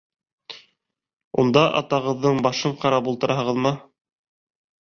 Унда атағыҙҙың башын ҡарап ултыраһығыҙмы?